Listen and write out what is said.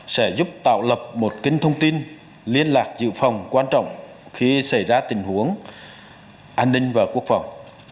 sẽ giúp tạo lập một kênh thông tin liên lạc dự phòng quan trọng khi xảy ra tình huống an ninh và quốc phòng